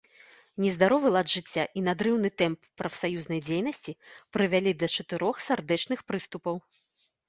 Нездаровы лад жыцця і надрыўны тэмп прафсаюзнай дзейнасці прывялі да чатырох сардэчных прыступаў.